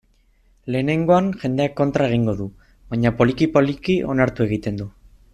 Lehenengoan, jendeak kontra egingo du, baina, poliki-poliki, onartu egiten du.